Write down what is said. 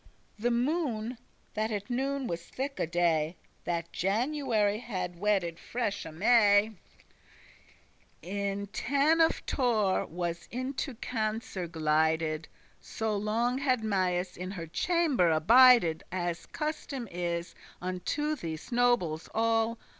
The moone, that at noon was thilke* day *that That January had wedded freshe May, In ten of Taure, was into Cancer glided;<17> So long had Maius in her chamber abided, As custom is unto these nobles all.